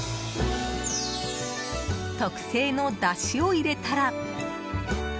特製のだしを入れたら。